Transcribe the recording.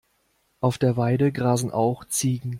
Auf der Weide grasen auch Ziegen.